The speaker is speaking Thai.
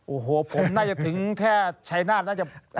โอ้โหผมน่าจะถึงแค่ชัยนาธน่าจะ